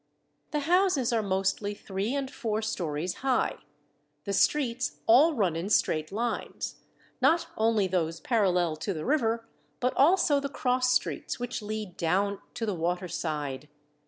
The houses are mostly three and four stories high; the streets all run in straight lines, not only those parallel to the river, but also the cross streets which lead down to the water side.